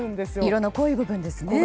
色の濃い部分ですね。